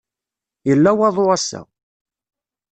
Yella waḍu ass-a.